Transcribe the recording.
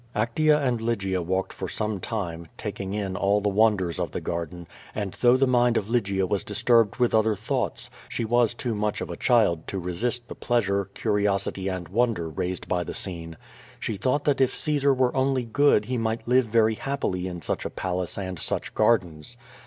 Actea and Lygia walked for some time, taking in all the wonders of the gardens, and though the mind of Lygia was disturbed with other thoughts, she was too much of a child to resist the pleasure, curiosity and wonder raised by the scene. She thought that if Caesar were only good he might live very happily in such a palace and such gardens.